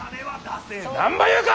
何ば言うか！